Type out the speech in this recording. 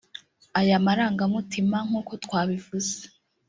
Aya marangamutima nk’uko twabivuze